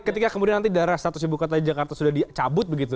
ketika kemudian nanti daerah status ibu kota jakarta sudah dicabut begitu